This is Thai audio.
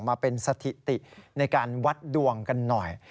มาเป็นสถิติในการวัดดวงกันหน่อย